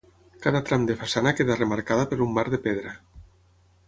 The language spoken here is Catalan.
Cada tram de façana queda remarcada per un marc de pedra.